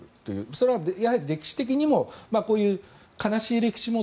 それは歴史的にもこういう悲しい歴史も